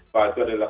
bahwa itu adalah